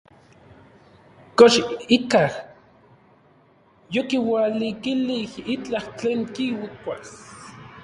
¿Kox ikaj yokiualikilij itlaj tlen kikuas?